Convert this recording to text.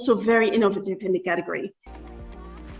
juga sangat inovatif dalam kategori ini